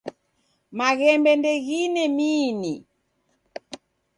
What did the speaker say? Maghembe ndeghine miini.